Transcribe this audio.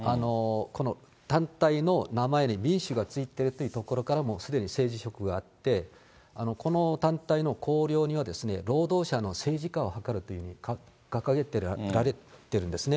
この団体の名前に民主がついているというところからもすでに政治色があって、この団体の綱領には、労働者の政治家をはかるというふうに掲げられているんですね。